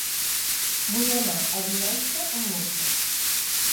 Vull anar a Vinaixa amb moto.